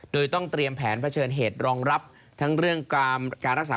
โดยต้องเตรียมแผนเผชิญเหตุรองรับทั้งเรื่องการรักษา